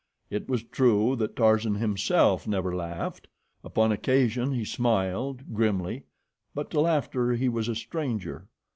It was true that Tarzan himself never laughed. Upon occasion he smiled, grimly, but to laughter he was a stranger.